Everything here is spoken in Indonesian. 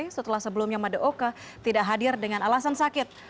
setelah sebelumnya madeoka tidak hadir dengan alasan sakit